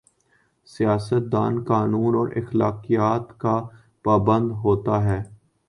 سیاست دان قانون اور اخلاقیات کا پابند ہو تا ہے۔